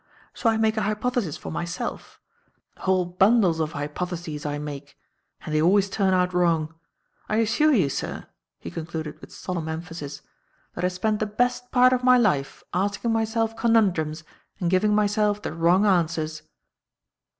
So I make a hypothesis for myself whole bundles of hypotheses, I make. And they always turn out wrong. I assure you, sir," he concluded with solemn emphasis, "that I spend the best part of my life asking myself conundrums and giving myself the wrong answers."